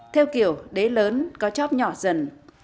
theo kiểu đế lớn có chóp nhỏ dần